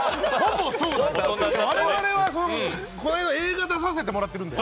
我々はこの間映画に出させてもらってるんで。